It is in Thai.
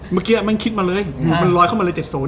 เมื่อกี้มันคิดมาเลยมันร้อยเข้ามาเลย๗๐เนี่ย